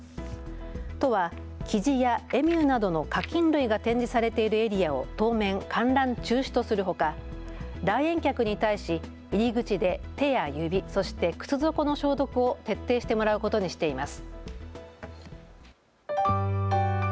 都はキジやエミューなどの家きん類が展示されているエリアを当面、観覧中止とするほか来園客に対し入り口で手や指、そして靴底の消毒を徹底してもらうことにしています。